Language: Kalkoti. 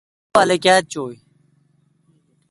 تو الو کیتھ چوں ۔